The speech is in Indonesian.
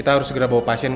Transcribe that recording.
terus kenapa kamu ada disini